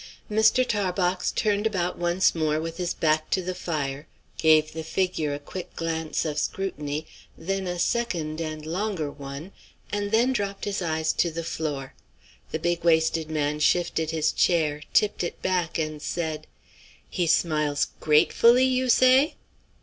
Mr. Tarbox turned about once more with his back to the fire, gave the figure a quick glance of scrutiny, then a second and longer one, and then dropped his eyes to the floor. The big waisted man shifted his chair, tipped it back, and said: "He smiles gratefully, you say?"